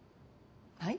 はい？